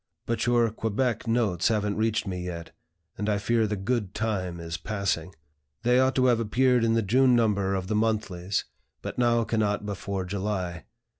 But your Quebec notes haven't reached me yet, and I fear the 'good time' is passing. They ought to have appeared in the June number of the monthlies, but now cannot before July.